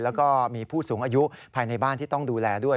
แล้วก็มีผู้สูงอายุภายในบ้านที่ต้องดูแลด้วย